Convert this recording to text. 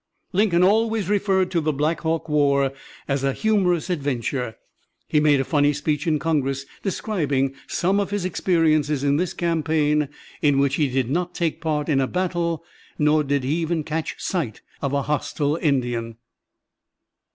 Lincoln always referred to the Black Hawk War as a humorous adventure. He made a funny speech in Congress describing some of his experiences in this campaign in which he did not take part in a battle, nor did he even catch sight of a hostile Indian.